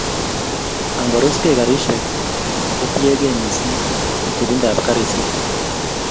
Angoruskei garisyek kotiegei missing chepchebindab garisyek.